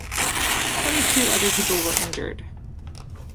Twenty-two other people were injured.